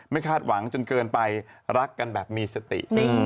คาดหวังจนเกินไปรักกันแบบมีสติ